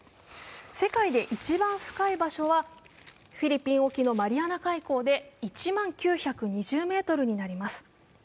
世界で一番深い場所はフィリピン沖のマリアナ海溝で１万９２０ｍになります。